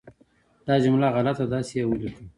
دا جمله غلطه ده، داسې یې ولیکه